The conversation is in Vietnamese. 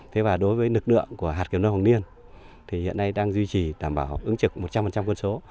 thế và đối với lực lượng của hạt kiểm lâm hoàng niên thì hiện nay đang duy trì đảm bảo ứng trực một trăm linh quân số